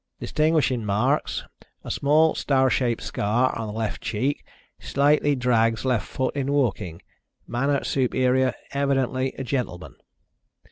Distinguishing marks, a small star shaped scar on left cheek, slightly drags left foot in walking. Manner superior, evidently a gentleman."